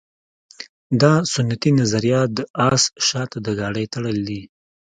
دا سنتي نظریه د اس شاته د ګاډۍ تړل دي.